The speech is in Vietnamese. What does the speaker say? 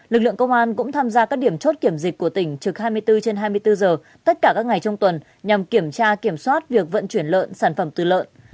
lực lượng công an cũng tham gia các điểm chốt kiểm dịch của tỉnh trực hai mươi bốn trên hai mươi bốn giờ tất cả các ngày trong tuần nhằm kiểm tra kiểm soát việc vận chuyển lợn sản phẩm từ lợn